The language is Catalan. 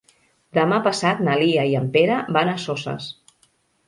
Demà passat na Lia i en Pere van a Soses.